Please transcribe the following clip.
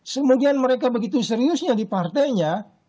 sebagian mereka begitu seriusnya di partainya